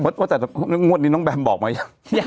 ตัดต่อกรณ์นั้นงวดนี้น้องแบมบอกมายัง